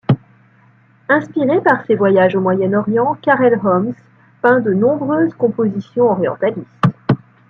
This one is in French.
Inspiré par ses voyages au Moyen-Orient, Karel Ooms peint de nombreuses compositions Orientalistes.